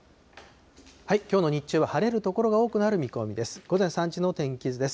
きょうの日中は晴れる所が多くなる見込みです。